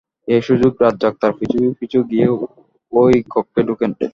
এই সুযোগে রাজ্জাক তার পিছু পিছু গিয়ে ওই কক্ষে ঢোকেন।